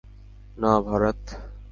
না, ভারাথ।